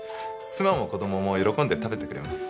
妻も子供も喜んで食べてくれます。